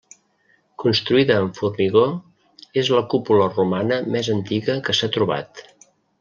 Construïda amb formigó, és la cúpula romana més antiga que s'ha trobat.